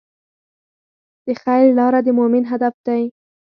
د خیر لاره د مؤمن هدف دی.